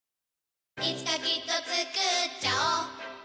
いつかきっとつくっちゃおう